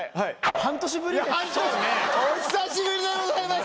半年お久しぶりでございます！